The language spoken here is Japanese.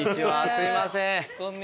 すみません。